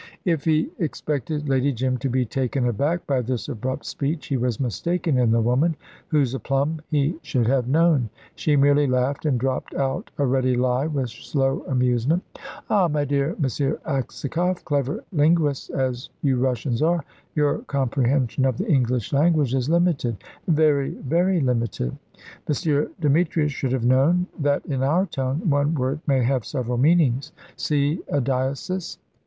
If he expected Lady Jim to be taken aback by this abrupt speech, he was mistaken in the woman, whose aplomb he should have known. She merely laughed and dropped out a ready lie with slow amusement. "Ah, my dear M. Aksakoff, clever linguists as you Russians are, your comprehension of the English language is limited very, very limited. M. Demetrius should have known, that in our tongue, one word may have several meanings. See a diocese.